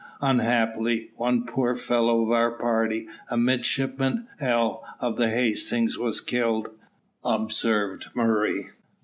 "Unhappily, one poor fellow of our party, a midshipman, L , of the Hastings, was killed," observed Murray.